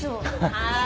はい。